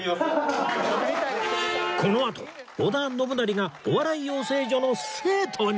このあと織田信成がお笑い養成所の生徒に！